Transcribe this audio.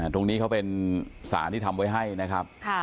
ตรงนี้เขาเป็นสารที่ทำไว้ให้นะครับ